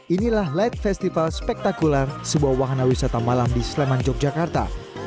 inilah light festival spektakular sebuah wahana wisata malam di sleman yogyakarta